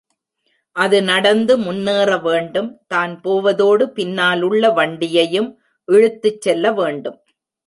அது நடந்து முன்னேற வேண்டும், தான் போவதோடு, பின்னாலுள்ள வண்டியையும் இழுத்துச் செல்ல வேண்டும்.